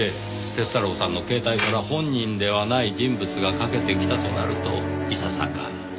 鐵太郎さんの携帯から本人ではない人物が掛けてきたとなるといささか。